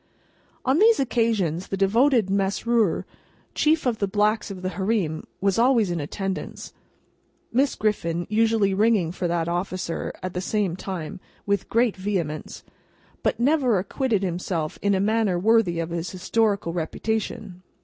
On these occasions, the devoted Mesrour, chief of the Blacks of the Hareem, was always in attendance (Miss Griffin usually ringing for that officer, at the same time, with great vehemence), but never acquitted himself in a manner worthy of his historical reputation.